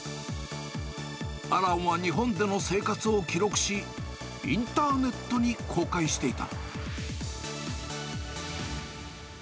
アランは日本での生活を記録し、インターネットに公開していた。